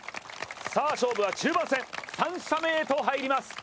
勝負は中盤戦、３射目へと入ります。